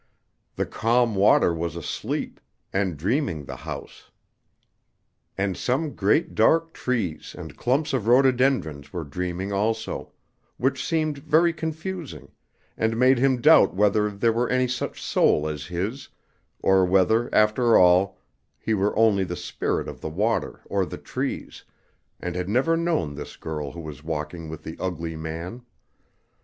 The calm water was asleep, and dreaming the house; and some great dark trees and clumps of rhododendrons were dreaming also, which seemed very confusing, and made him doubt whether there were any such soul as his, or whether after all he were only the spirit of the water or the trees, and had never known this girl who was walking with the ugly man.